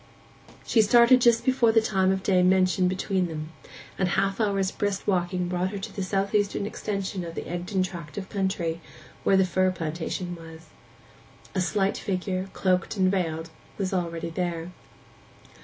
She started just before the time of day mentioned between them, and half an hour's brisk walking brought her to the south eastern extension of the Egdon tract of country, where the fir plantation was. A slight figure, cloaked and veiled, was already there.